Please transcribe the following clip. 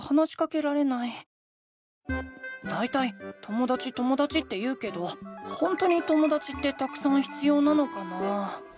だいたいともだちともだちって言うけどほんとにともだちってたくさん必要なのかな？